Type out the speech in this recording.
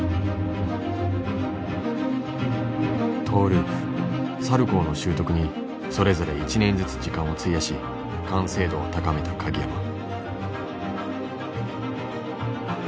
トーループサルコーの習得にそれぞれ１年ずつ時間を費やし完成度を高めた鍵山。